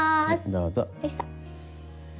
どうぞ。